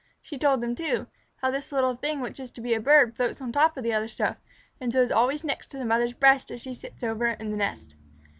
She told them, too, how this little thing which is to be a bird floats on top of the other stuff, and so is always next to the mother's breast as she sits over it on the nest.